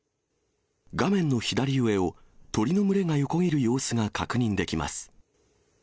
画面の左上を、鳥の群れが横切る様子が確認できます。